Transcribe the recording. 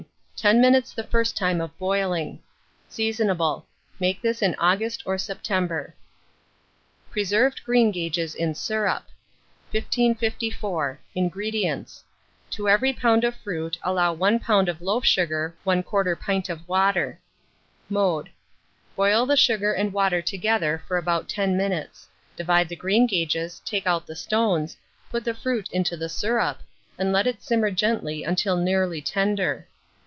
10 minutes the first time of boiling. Seasonable. Make this in August or September. PRESERVED GREENGAGES IN SYRUP. 1554. INGREDIENTS. To every lb. of fruit allow 1 lb. of loaf sugar 1/4 pint of water. Mode. Boil the sugar and water together for about 10 minutes; divide the greengages, take out the stones, put the fruit into the syrup, and let it simmer gently until nearly tender.